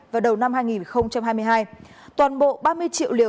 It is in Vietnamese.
vào đầu năm hai nghìn hai mươi hai toàn bộ ba mươi triệu liều